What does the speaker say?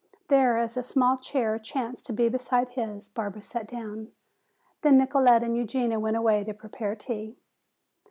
There, as a small chair chanced to be beside his, Barbara sat down. Then Nicolete and Eugenia went away to prepare tea.